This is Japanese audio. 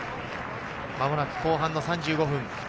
間もなく後半の３５分。